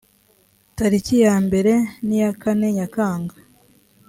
tariki yambere n iya kane nyakanga